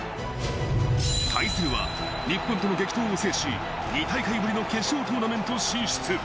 対するは、日本との激闘を制し、２大会ぶりの決勝トーナメント進出。